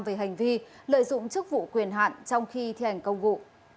về hành vi lợi dụng chức vụ quyền hạn trong khi thi hành công vụ